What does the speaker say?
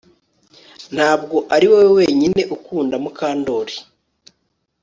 Ntabwo ari wowe wenyine ukunda Mukandoli